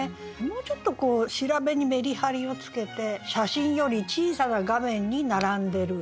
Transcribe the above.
もうちょっとこう調べにメリハリをつけて「写真より小さな画面に並んでる」。